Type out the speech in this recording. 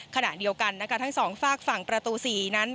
ขณะเดียวกันนะคะทั้งสองฝากฝั่งประตู๔นั้น